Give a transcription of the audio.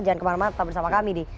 jangan kemana mana tetap bersama kami di